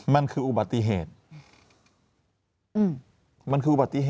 มันคืออุบัติเหตุมันคืออุบัติเหตุ